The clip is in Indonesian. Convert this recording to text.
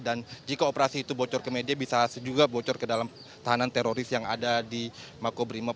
dan jika operasi itu bocor ke media bisa juga bocor ke dalam tahanan teroris yang ada di makobrimob